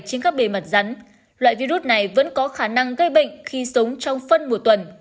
trên các bề mặt rắn loại virus này vẫn có khả năng gây bệnh khi sống trong phân một tuần